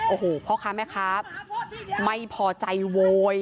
โอ้โหพ่อค้าแม่ค้าไม่พอใจโวย